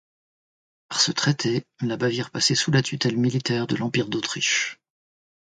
Par ce traité, la Bavière passait sous la tutelle militaire de l'Empire d'Autriche.